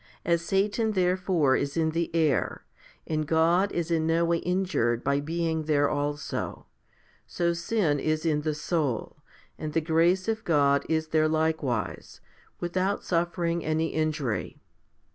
As Satan therefore is in the air, and God is in no way injured by being there also, so sin is in the soul, and the grace of God is there likewise, without suffering any injury.